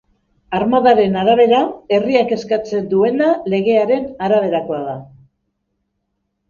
Armadaren arabera, herriak eskatzen duena legearen araberakoa da.